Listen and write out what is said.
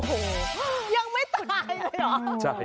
โอ้โหยังไม่ตายเลยเหรอ